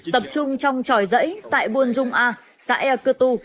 tập trung trong tròi dãy tại buôn dung a xã e cơ tu